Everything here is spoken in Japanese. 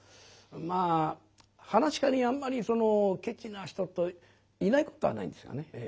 まあ噺家にあんまりそのケチな人といないことはないんですがね。